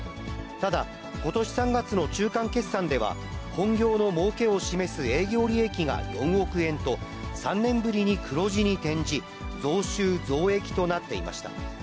ただ、ことし３月の中間決算では、本業のもうけを示す営業利益が４億円と、３年ぶりに黒字に転じ、増収増益となっていました。